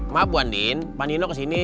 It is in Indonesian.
maaf bu andin pak nilo kesini